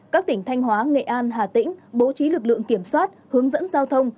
các tỉnh thanh hóa nghệ an hà tĩnh bố trí lực lượng kiểm soát hướng dẫn giao thông